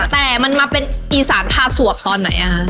แต่มันมาเป็นอีสานพาสวบตอนไหน